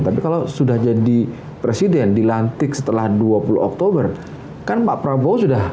tapi kalau sudah jadi presiden dilantik setelah dua puluh oktober kan pak prabowo sudah